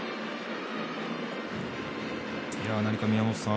何か宮本さん